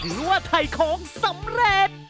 หรือว่าถ่ายของสำเร็จ